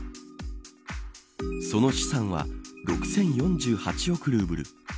その資産は６０４８億ルーブル